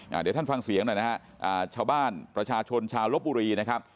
เดี๋ยวท่านฟังเสียงหน่อยนะฮะอ่าชาวบ้านประชาชนชาวลบบุรีนะครับ